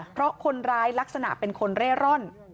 เพราะคนร้ายลักษณะเป็นคนเร่ร่อน